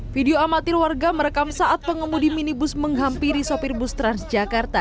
video amatir warga merekam saat pengemudi minibus menghampiri sopir bus transjakarta